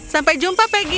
sampai jumpa peggy